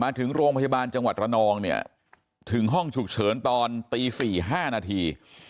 ถึงโรงพยาบาลจังหวัดระนองเนี่ยถึงห้องฉุกเฉินตอนตี๔๕นาที